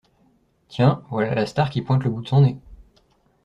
Tiens, voilà la star qui pointe le bout de son nez.